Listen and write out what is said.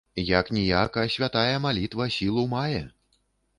Як-ніяк, а святая малітва сілу мае.